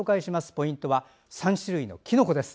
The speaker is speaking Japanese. ポイントは３種類のきのこです。